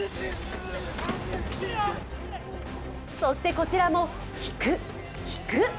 そして、こちらも引く、引く。